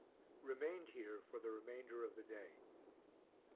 Remained here for the remainder of the day.